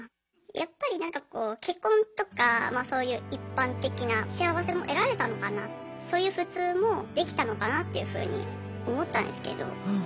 やっぱりなんかこう結婚とかそういう一般的な幸せも得られたのかなそういう普通もできたのかなっていうふうに思ったんですけど。